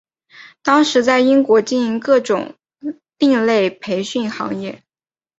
当时在英国经营各种另类培训行业。